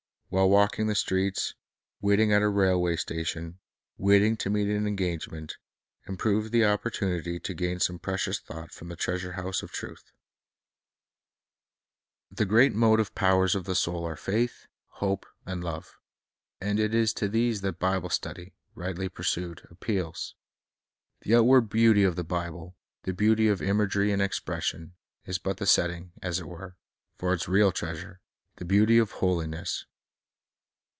While walking the streets, waiting at a railway station, wait ing to meet an engagement, improve the opportunity to gain some precious thought from the treasure house of truth. 1 Rev. 1:1. '•'James i : 5. ■> Rev. I :. 192 The Bible as an Educator The great motive powers of the soul are faith, hope, and love; and it is to these that Bible study, rightly pursued, appeals. The outward beauty of the Bible, the beauty of imagery and expression, is but the set ting, as it were, for its real treasure, — the beauty of holiness.